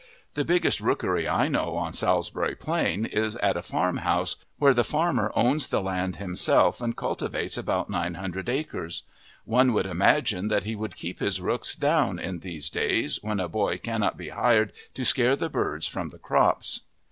The biggest rookery I know on Salisbury Plain is at a farm house where the farmer owns the land himself and cultivates about nine hundred acres. One would imagine that he would keep his rooks down in these days when a boy cannot be hired to scare the birds from the crops.